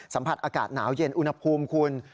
สัมผัสอากาศหนาวเย็นอุณหภูมิคุณ